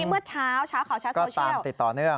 เมื่อเช้าเช้าข่าวชัดโซเชียลตามติดต่อเนื่อง